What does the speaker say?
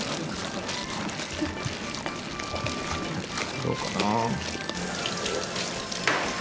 どうかな？